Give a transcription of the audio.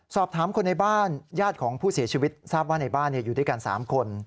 สอบถามคนในบ้านญาติของผู้เสียชีวิตทราบว่าในบ้านอยู่ด้วยกัน๓คน